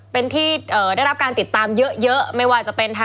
เป็นที่ได้รับการติดตามเยอะ